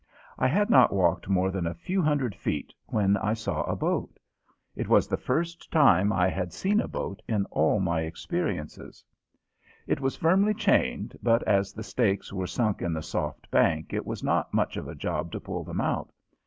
I had not walked more than a few hundred feet when I saw a boat. It was the first time I had seen a boat in all my experiences. It was firmly chained, but as the stakes were sunk in the soft bank it was not much of a job to pull them out.